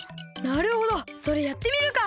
なるほどそれやってみるか！